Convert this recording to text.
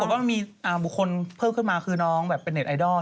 ก็ว่ามีบุคคลเพิ่มขึ้นมาน้องเป็นเน็ตไอดอล